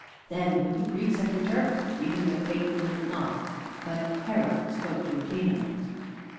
Then would the Greeks have returned, even though fate willed it not. But Hera spoke to Athene.